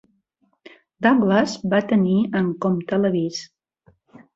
Douglas va tenir en compte l'avís.